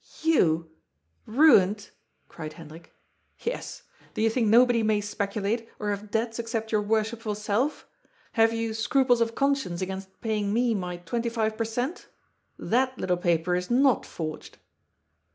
« You ? Ruined ?" cried Hendrik. "Yes. Do you think nobody may speculate or have debts except your worshipful self ? Have you scruples of conscience against paying me my twenty five per cent.? That little paper is not forged."